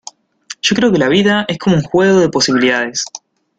yo creo que la vida es como un juego de posibilidades.